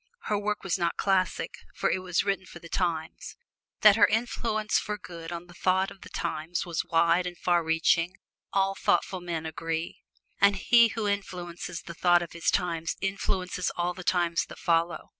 Her work was not classic, for it was written for the times. That her influence for good on the thought of the times was wide and far reaching, all thoughtful men agree. And he who influences the thought of his times influences all the times that follow.